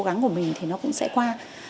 cố gắng của mình thì nó cũng sẽ qua